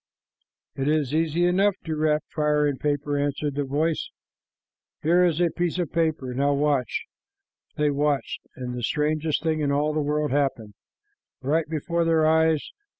"It is easy enough to wrap fire in paper," answered the voice. "Here is a piece of paper. Now watch." They watched, and the strangest thing in all the world happened right before their eyes.